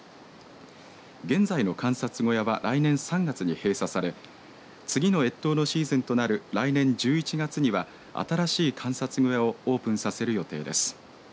現在の観察小屋は来年３月に閉鎖され次の越冬のシーズンとなる来年１１月には新しい観察小屋をオープンさせる予定です。